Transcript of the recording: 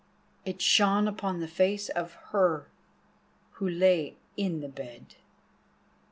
It shone upon the face of her who lay in the bed.